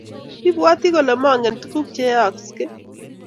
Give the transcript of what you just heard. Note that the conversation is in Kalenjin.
ibwoti kole mangen tuguk cheyoyeske